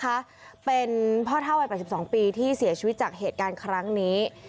นะคะเป็นพ่อเท่าวัย๘๒ปีที่เสียชีวิตจากเหตุการณ์ครั้งนี้